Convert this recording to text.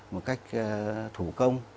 một cách thủ công